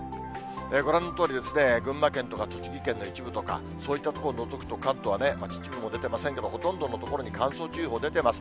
ご覧のとおりですね、群馬県とか、栃木県の一部とか、そういった所を除くと、関東はね、厚い雲も出てませんけど、ほとんどの所が乾燥注意報出てます。